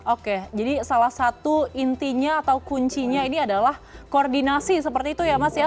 oke jadi salah satu intinya atau kuncinya ini adalah koordinasi seperti itu ya mas ya